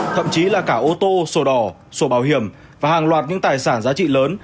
thậm chí là cả ô tô sổ đỏ sổ bảo hiểm và hàng loạt những tài sản giá trị lớn